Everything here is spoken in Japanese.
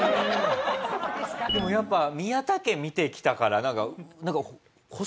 でもやっぱ宮田家見てきたからなんか。